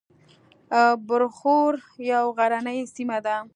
برښور یوه غرنۍ سیمه ده